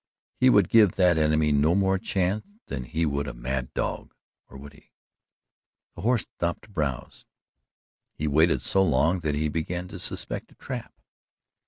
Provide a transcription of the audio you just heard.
He would give that enemy no more chance than he would a mad dog or would he? The horse stopped to browse. He waited so long that he began to suspect a trap.